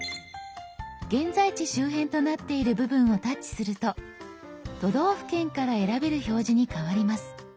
「現在地周辺」となっている部分をタッチすると都道府県から選べる表示に変わります。